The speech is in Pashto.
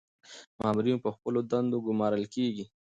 مامورین په خپلو دندو ګمارل کیږي.